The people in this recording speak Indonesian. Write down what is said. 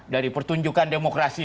dari pertunjukan demokrasi